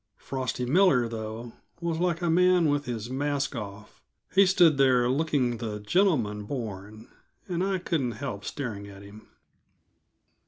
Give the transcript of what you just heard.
Frosty Miller, though, was like a man with his mask off; he stood there looking the gentleman born, and I couldn't help staring at him.